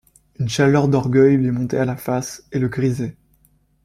Une chaleur d’orgueil lui montait à la face et le grisait.